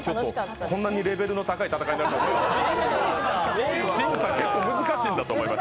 こんなにレベルの高い戦いになるとは思わなかったです。